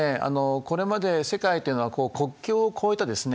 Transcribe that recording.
これまで世界というのは国境を越えたですね